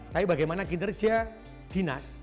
tapi bagaimana kinerja dinas